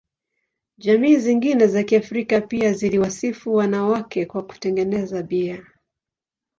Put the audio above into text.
Jamii zingine za Kiafrika pia ziliwasifu wanawake kwa kutengeneza bia.